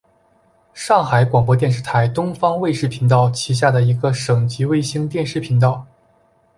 上海广播电视台东方卫视频道旗下的一个省级卫星电视频道。